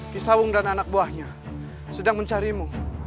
ki sawung dan anak buahnya sedang mencarimu